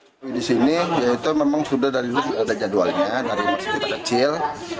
tradisi ini memang sudah dari dulu ada jadwalnya dari masih kecil